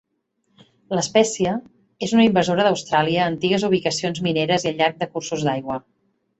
La espècie és una invasora d'Austràlia a antigues ubicacions mineres i al llarg de cursos d'aigua.